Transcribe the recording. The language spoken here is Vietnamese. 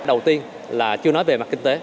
đầu tiên là chưa nói về mặt kinh tế